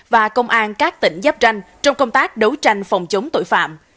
và công an các tỉnh giáp tranh trong công tác đấu tranh phòng chống tội phạm